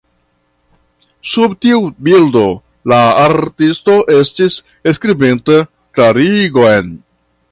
Sub tiu bildo, la artisto estis skribinta klarigon.